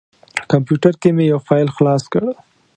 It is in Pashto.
کمپیوټر کې مې یو فایل خلاص کړ.